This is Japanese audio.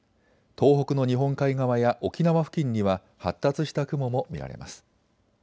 東北の日本海側や沖縄付近には発達した雲も見られます。